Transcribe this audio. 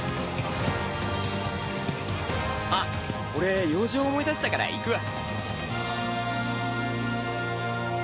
あっ俺用事を思い出したから行くわ。